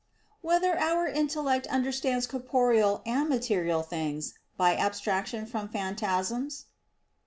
1] Whether Our Intellect Understands Corporeal and Material Things by Abstraction from Phantasms?